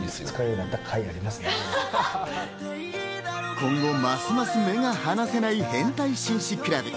今後ますます目が離せない変態紳士クラブ。